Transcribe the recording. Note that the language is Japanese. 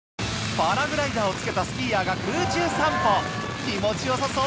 パラグライダーをつけたスキーヤーが空中散歩気持ち良さそう！